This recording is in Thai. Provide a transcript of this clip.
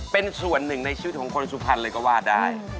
เป็นส่วนหนึ่งในชีวิตของคนสุพรรณเลยก็ว่าได้